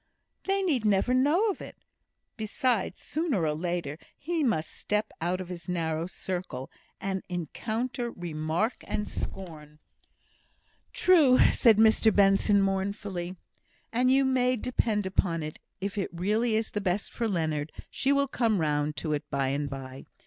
"They need never know of it. Besides, sooner or later, he must step out of his narrow circle, and encounter remark and scorn." "True," said Mr Benson, mournfully. "And you may depend upon it, if it really is the best for Leonard, she will come round to it by and by.